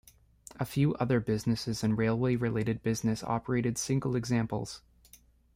A few other businesses in railway-related business operated single examples.